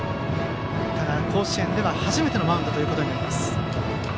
ただ、甲子園では初めてのマウンドとなります。